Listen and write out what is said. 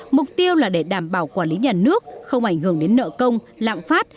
mục tiêu là để đảm bảo quản lý nhà nước không ảnh hưởng đến nợ công lạm phát